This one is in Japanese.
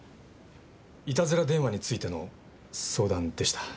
いたずら電話についての相談でした。